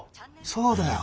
そうだよ